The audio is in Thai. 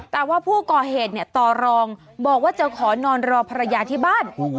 แต่ว่าผู้ก่อเหตุเนี่ยต่อรองบอกว่าจะขอนอนรอภรรยาที่บ้าน